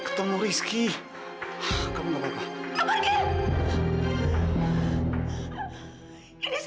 ya tak pernah seheju povo robert dari selama dua tahun